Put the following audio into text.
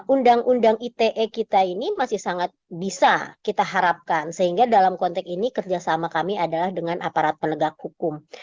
undang undang ite kita ini masih sangat bisa kita harapkan sehingga dalam konteks ini kerjasama kami adalah dengan aparat penegak hukum